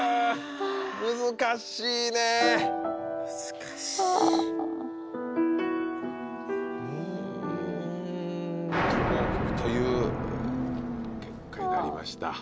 難しいねぇ難しいうん不合格という結果になりました